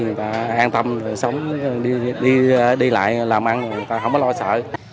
người ta an tâm sống đi lại làm ăn người ta không có lo sợ